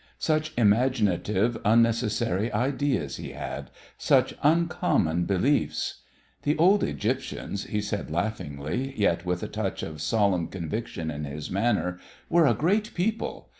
Such imaginative, unnecessary ideas he had! Such uncommon beliefs! "The old Egyptians," he said laughingly, yet with a touch of solemn conviction in his manner, "were a great people.